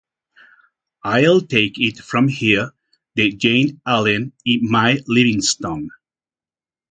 I'll Take It From Here" de Jane Allen y Mae Livingston.